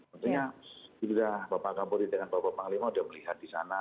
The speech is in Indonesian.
sebenarnya kita bapak kapuri dengan bapak anglima sudah melihat di sana